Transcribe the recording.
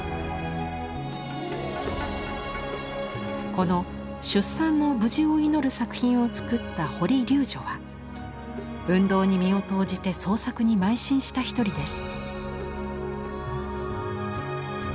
この出産の無事を祈る作品を作った堀柳女は運動に身を投じて創作にまい進した一人です。